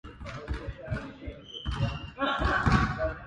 アストゥリアス州の州都はオビエドである